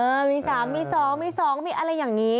มี๓มี๒มี๒มีอะไรอย่างนี้